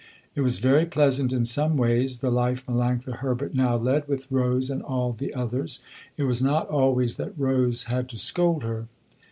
It was very pleasant in some ways, the life Melanctha Herbert now led with Rose and all the others. It was not always that Rose had to scold her.